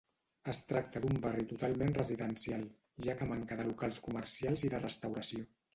Es tracta d'un barri totalment residencial, ja que manca de locals comercials i de restauració.